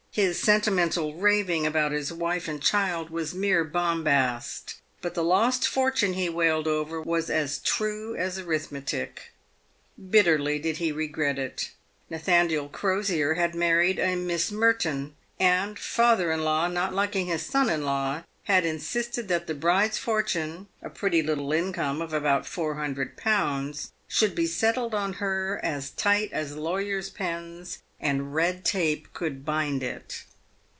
His sentimental raving about his wife and child was mere bombast, but the lost fortune he wailed over was as true as arithmetic. Bitterly did he regret it. Nathaniel Crosier had married a Miss Merton, and father in law, not liking son in law, had insisted that the bride's fortune — a pretty little income of about four hundred pounds — should be settled on her as tight as lawyers' pens and red tape could bind it.